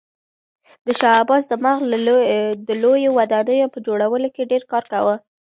د شاه عباس دماغ د لویو ودانیو په جوړولو کې ډېر کار کاوه.